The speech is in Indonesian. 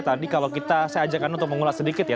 tadi kalau kita saya ajakkan untuk mengulas sedikit ya